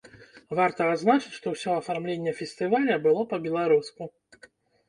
Варта адзначыць, што ўсё афармленне фестываля было па-беларуску.